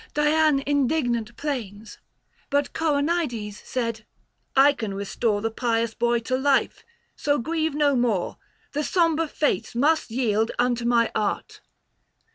Dian, indignant 'plains ; But Coronides said, " I can restore The pious boy to life, so grieve no more ; The sombre Fates must yield unto my art."